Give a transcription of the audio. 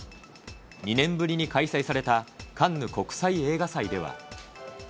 ２年ぶりに開催されたカンヌ国際映画祭では。